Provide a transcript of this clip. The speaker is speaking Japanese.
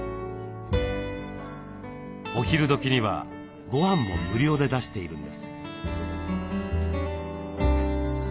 お昼どきにはごはんも無料で出しているんです。